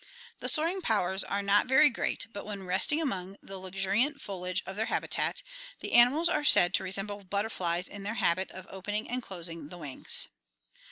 The soaring powers are not very great but when resting among the luxuriant foliage of their habitat the animals are said to re semble butterflies in their habit of opening and closing the wings.